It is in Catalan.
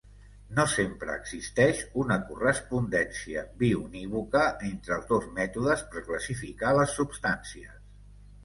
No sempre existeix una correspondència biunívoca entre els dos mètodes per classificar les substàncies.